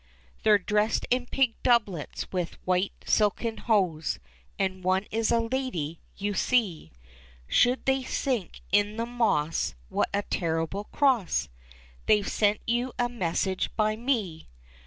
" They're dressed in pink doublets, with white silken hose, And one is a lady, you see ; Should they sink in the moss, what a terrible cross! They've sent you a message by me.